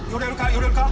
寄れるか？